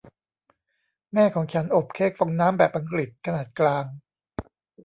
แม่ของฉันอบเค้กฟองน้ำแบบอังกฤษขนาดกลาง